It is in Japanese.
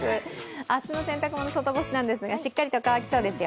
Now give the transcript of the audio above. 明日の洗濯物、外干しですが、しっかりと乾きそうですよ。